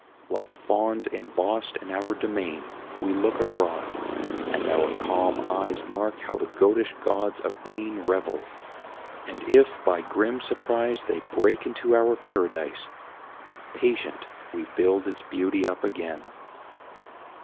Like fauns embossed in our domain, We look abroad, and our calm eyes Mark how the goatish gods of pain Revel; and if by grim surprise They break into our paradise, Patient we build its beauty up again.